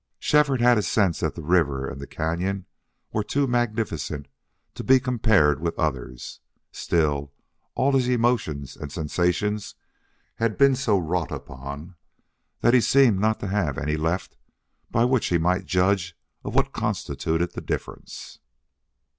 Shefford had a sense that the river and the cañon were too magnificent to be compared with others. Still, all his emotions and sensations had been so wrought upon, he seemed not to have any left by which he might judge of what constituted the difference.